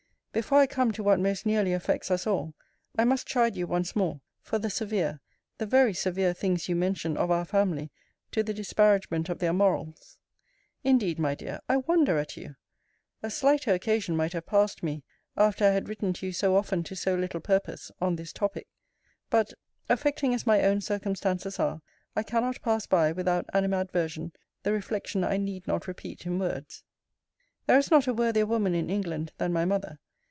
Before I come to what most nearly affects us all, I must chide you once more, for the severe, the very severe things you mention of our family, to the disparagement of their MORALS. Indeed, my dear, I wonder at you! A slighter occasion might have passed me, after I had written to you so often to so little purpose, on this topic. But, affecting as my own circumstances are, I cannot pass by, without animadversion, the reflection I need not repeat in words. There is not a worthier woman in England than my mother.